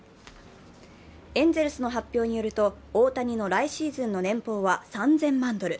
エンゼルスの発表によると、大谷の来シーズンの年俸は３０００万ドル。